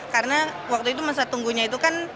karena waktu itu masa tunggunya itu kan